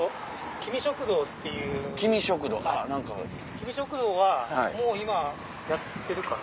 キミ食堂はもう今やってるかな。